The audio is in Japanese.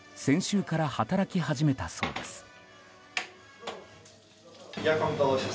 先週から働き始めたそうです。